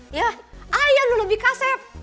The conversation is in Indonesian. iya ayah lu lebih kaset